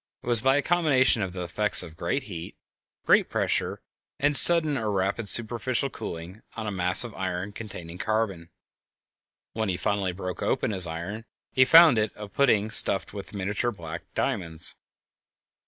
It was by a combination of the effects of great heat, great pressure, and sudden or rapid superficial cooling on a mass of iron containing carbon. When he finally broke open his iron he found it a pudding stuffed with miniature black diamonds.